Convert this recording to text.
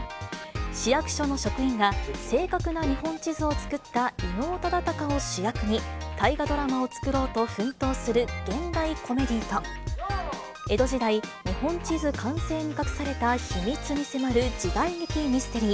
市役所の職員が、正確な日本地図を作った伊能忠敬を主役に、大河ドラマを作ろうと奮闘する現代コメディーと江戸時代、日本地図完成に隠された秘密に迫る時代劇ミステリー。